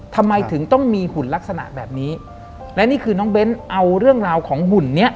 ทำไมถึงต้องมีหุ่นลักษณะแบบนี้และนี่คือน้องเบ้นเอาเรื่องราวของหุ่นเนี้ย